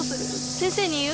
先生に言う？